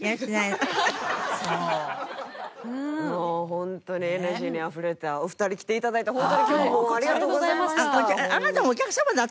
ホントにエナジーにあふれたお二人来て頂いてホントに今日はありがとうございました。